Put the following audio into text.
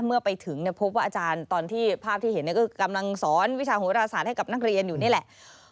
เมื่อไปถึงพบว่าอาจารย์ตอนที่ภาพที่เห็นก็กำลังสอนวิชาโหราศาสตร์ให้กับนักเรียนอยู่นี่แหละ